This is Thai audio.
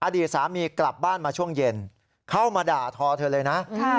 อดีตสามีกลับบ้านมาช่วงเย็นเข้ามาด่าทอเธอเลยนะ